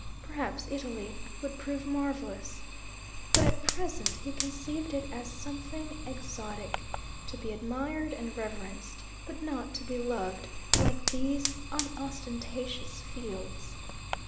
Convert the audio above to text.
Perhaps Italy would prove marvellous. But at present he conceived it as something exotic, to be admired and reverenced, but not to be loved like these unostentatious fields.